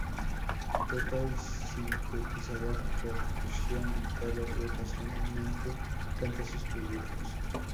Toca el sintetizador, percusión, guitarra y ocasionalmente canta sus proyectos.